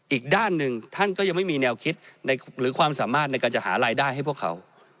อีกด้านหนึ่งท่านก็ยังไม่มีแนวคิดหรือความสามารถในการจะหารายได้ให้พวกเขา